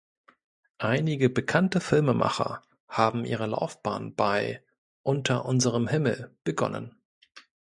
Einige bekannte Filmemacher haben ihre Laufbahn bei "„Unter unserem Himmel“" begonnen.